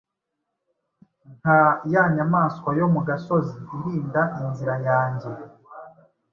Nka nyamaswa yo mu gasozi irinda inzira yanjye;